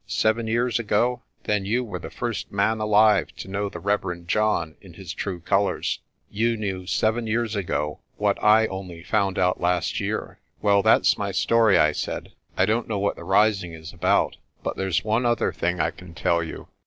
Seven years ago? Then you were the first man alive to know the Reverend John in his true colours. You knew seven years ago what I only found out last year." "Well, that's my story," I said. "I don't know what the rising is about, but there's one other thing I can tell you.